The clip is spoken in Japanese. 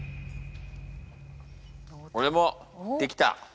俺もできた。